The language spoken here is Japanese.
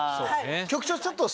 局長ちょっと。